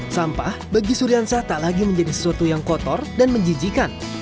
sampah bagi suriansah tak lagi menjadi sesuatu yang kotor dan menjijikan